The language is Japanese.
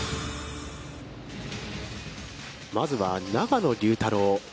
まずは永野竜太郎。